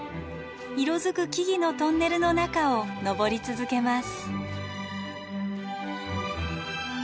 色づく木々のトンネルの中を登り続けます。